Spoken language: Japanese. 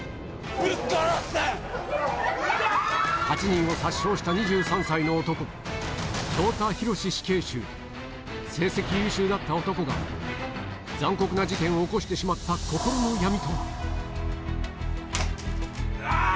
８人を殺傷した２３歳の男成績優秀だった男が残酷な事件を起こしてしまった心の闇とはあぁ！